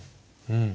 うん。